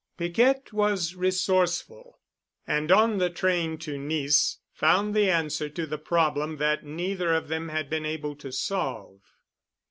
Piquette was resourceful. And on the train to Nice found the answer to the problem that neither of them had been able to solve.